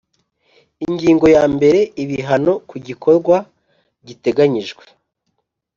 Ingingo ya mbere Ibihano ku gikorwa giteganyijwe